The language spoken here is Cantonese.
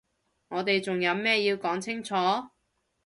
我哋仲有咩要講清楚？